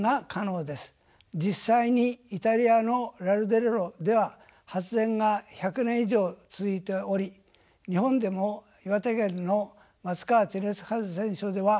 実際にイタリアのラルデレロでは発電が１００年以上続いており日本でも岩手県の松川地熱発電所では５０年以上続いています。